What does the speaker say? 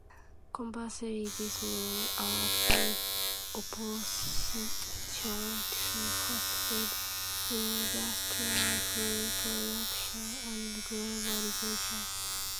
Conversely this means an opposition to fast food, industrial food production and globalisation.